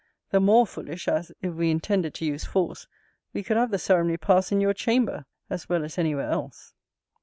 The more foolish, as, if we intended to use force, we could have the ceremony pass in your chamber, as well as any where else.